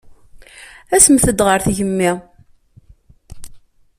Asemt-d ɣer tgemmi.